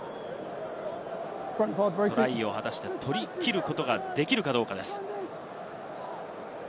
トライを取り切ることができるかどうかです。